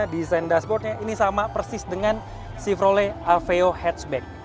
desain dashboardnya ini sama persis dengan chevrolet aveo hatchback